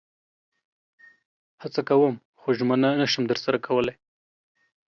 هڅه کوم خو ژمنه نشم درسره کولئ